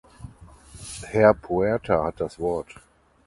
Herr Puerta hat das Wort.